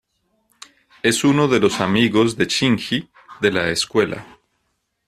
Es uno de los amigos de Shinji de la escuela.